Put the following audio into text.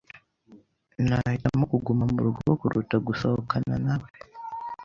Nahitamo kuguma murugo kuruta gusohokana nawe.